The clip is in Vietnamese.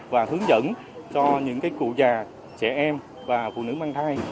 và hướng dẫn cho những cụ già trẻ em và phụ nữ mang thai